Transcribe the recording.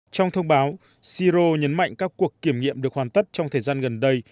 trong thông báo siro nhấn mạnh các cuộc kiểm nghiệm được hoàn tất trong thời gian gần đây